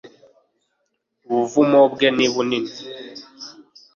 ubuvumobwe ni bunini